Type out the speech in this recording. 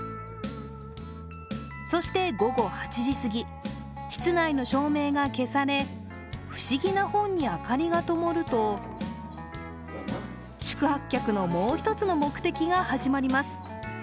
そして午後８時過ぎ、室内の照明が消され、不思議な本に明かりがともると宿泊客のもう１つの目的が始まります。